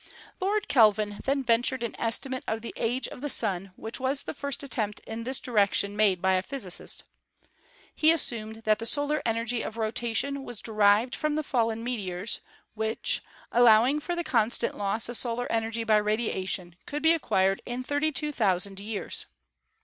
Lord Kelvin then ventured an estimate of the age of the Sun, which was the first attempt in this direction made by a physicist. He assumed that the solar energy of rota tion was derived from the fallen meteors, which, allowing for the constant loss of solar energy by radiation, could be acquired in 32,000 years.